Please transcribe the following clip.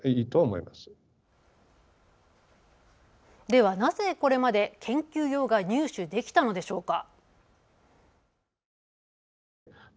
では、なぜこれまで研究用が入手できたのでしょうか。